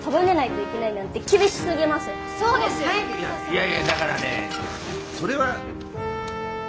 いやいやだからねそれは。